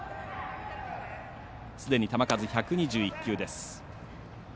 すでに球数１２１球です。